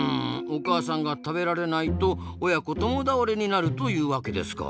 お母さんが食べられないと親子共倒れになるというわけですか。